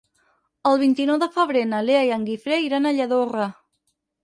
El vint-i-nou de febrer na Lea i en Guifré iran a Lladorre.